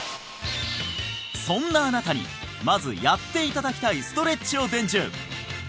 そんなあなたにまずやっていただきたいストレッチを伝授！